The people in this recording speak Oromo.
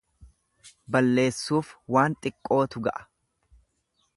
Balleessuuf waan xiqqootu ga'a.